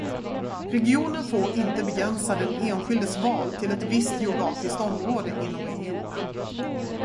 Regionen får inte begränsa den enskildes val till ett visst geografiskt område inom regionen.